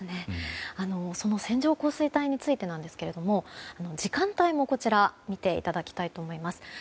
その線状降水帯についてなんですが時間帯も見ていただきたいと思います。